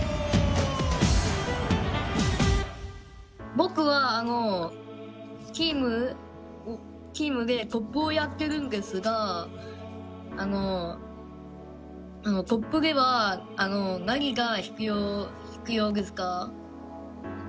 僕はチームでトップをやってるんですがトップでは何が必要ですか？